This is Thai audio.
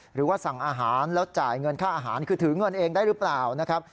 หรือว่าสั่งอาหารแล้วจ่ายเงินค่าอาหารคือถือเงินเองได้หรือเปล่านะครับ